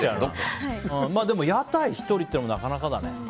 でも、屋台１人っていうのもなかなかだね。